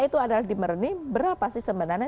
itu adalah dimerenin berapa sih sebenarnya